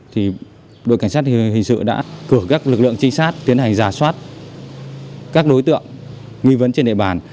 thì đội cảnh sát hình sự đã cử các lực lượng trinh sát tiến hành giả soát các đối tượng nghi vấn trên địa bàn